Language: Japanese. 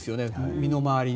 身の回りに。